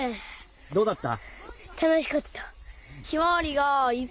どうだった。